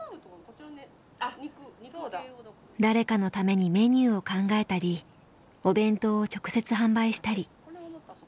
誰かのためにメニューを考えたりお弁当を直接販売したり。